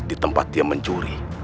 di tempat dia mencuri